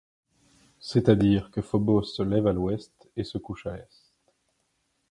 C'est-à-dire que Phobos se lève à l'ouest et se couche à l'est.